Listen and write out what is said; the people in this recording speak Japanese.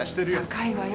高いわよ